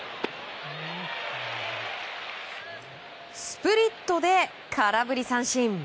スプリットで空振り三振。